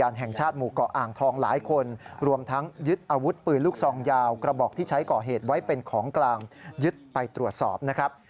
ส่องยาวกระบอกที่ใช้ก่อเหตุไว้เป็นของกลางยึดไปตรวจสอบนะครับ